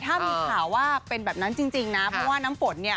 ถ้ามีข่าวว่าเป็นแบบนั้นจริงนะเพราะว่าน้ำฝนเนี่ย